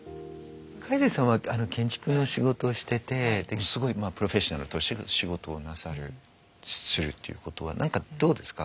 楓さんは建築の仕事をしててすごいプロフェッショナルとして仕事をなさるするっていうことは何かどうですか？